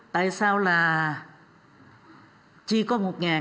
tại sao là chỉ có một